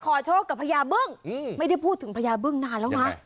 ขอโชคกับพระยาเบิ้งไม่ได้พูดถึงพระยาเบิ้งนานแล้วนะ